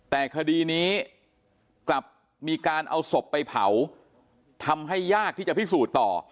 แต่คดีนี้กลับมีการเอาศพไปเผาทำให้ยากที่จะพิสูจน์ต่อ